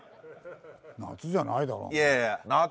夏じゃないだろあんた。